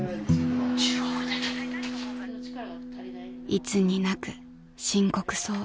［いつになく深刻そう］